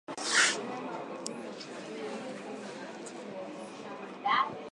Iiyopelekea kuvuruga mtiririko wa usambazaji mafuta duniani na kupanda kwa gharama kote duniani